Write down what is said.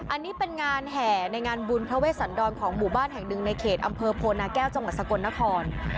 อันนี้เป็นงานแห่ในงานบุญพระเวสันดรของหมู่บ้านแห่งหนึ่งในเขตอำเภอโพนาแก้วจังหวัดสกลนคร